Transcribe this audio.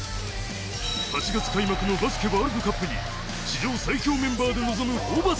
８月開幕のバスケワールドカップに史上最強メンバーで臨むホーバス